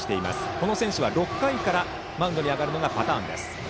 この選手は６回からマウンドに上がるのがパターン。